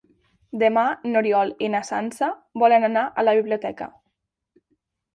Demà n'Oriol i na Sança volen anar a la biblioteca.